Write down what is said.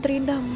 terima kasih bu